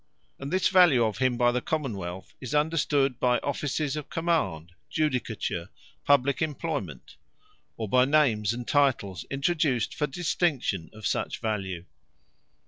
And this Value of him by the Common wealth, is understood, by offices of Command, Judicature, publike Employment; or by Names and Titles, introduced for distinction of such Value.